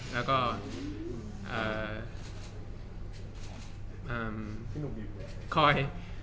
แล้วก็คอย